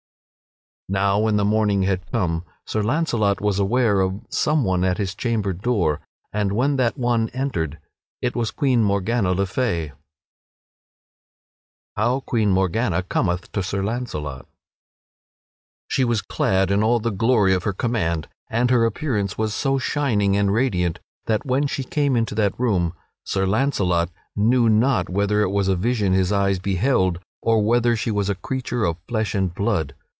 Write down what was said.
Now when the morning had come Sir Launcelot was aware of someone at his chamber door, and when that one entered it was Queen Morgana le Fay. [Sidenote: How Queen Morgana cometh to Sir Launcelot] She was clad in all the glory at her command, and her appearance was so shining and radiant that when she came into that room Sir Launcelot knew not whether it was a vision his eyes beheld or whether she was a creature of flesh and blood.